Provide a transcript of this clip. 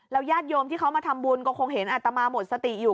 ญาติโยมที่เขามาทำบุญก็คงเห็นอัตมาหมดสติอยู่